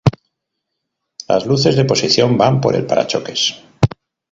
Las luces de posición van por el parachoques.